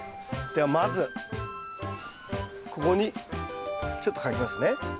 ではまずここにちょっと書きますね。